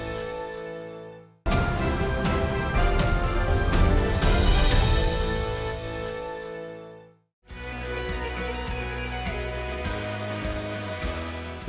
kepala pembangunan indonesia